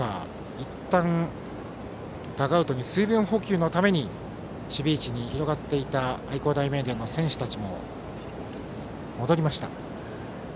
いったん、ダグアウトに水分補給のために守備位置に広がっていた愛工大名電の選手たちも戻りました。